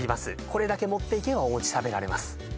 これだけ持っていけばお餅食べられます